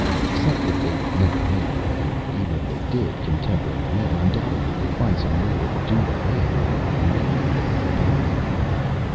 Except that they'd never make it and even if they did, contemporary Man undoubtedly would find some way to do them in and might eat them in the bargain.